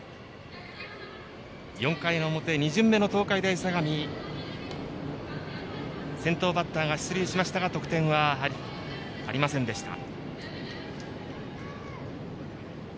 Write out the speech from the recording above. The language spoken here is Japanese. ４回の表、２巡目の東海大相模先頭バッターが出塁しましたが得点はありませんでした。